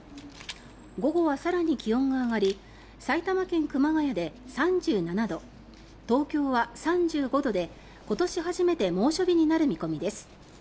午後は更に気温が上がり埼玉県熊谷で３７度東京は３５度で、今年初めて猛暑日になる見込みです。